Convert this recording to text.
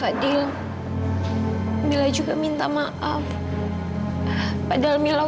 padahal mila udah tahu tentang kata taufan beberapa hari yang lalu